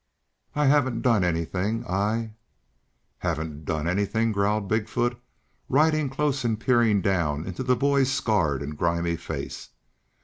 "I haven't done anything. I " "Haven't done anything?" growled Big foot, riding close and peering down into the boy's scarred and grimy face.